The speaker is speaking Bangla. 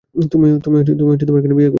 তুমি বিয়ে করছো কবে?